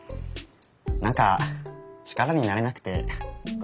何か力になれなくてごめん。